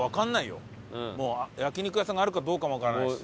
もう焼肉屋さんがあるかどうかもわからないし。